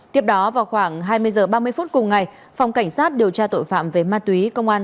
tiếp đó vào khoảng hai mươi h ba mươi phút cùng ngày phòng cảnh sát điều tra tội phạm về ma túy công an